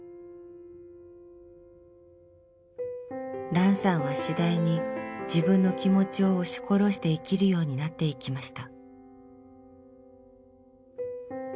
ランさんは次第に自分の気持ちを押し殺して生きるようになっていきました。